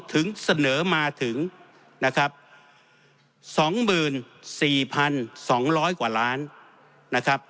ถึงเสนอมาถึง๒๔๒๐๐กว่าล้าน